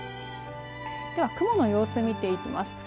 では雲の様子見ていきます。